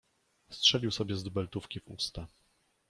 Strzelił sobie z dubeltówki w usta.